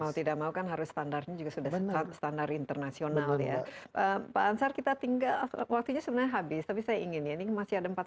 mau tidak mau kan harus standarnya juga sudah